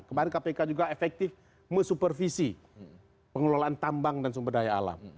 kemarin kpk juga efektif mensupervisi pengelolaan tambang dan sumber daya alam